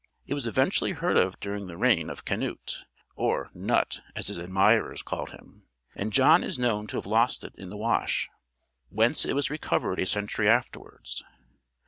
It was eventually heard of during the reign of Canute (or Knut, as his admirers called him); and John is known to have lost it in the Wash, whence it was recovered a century afterwards.